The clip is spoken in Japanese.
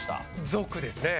「族」ですね。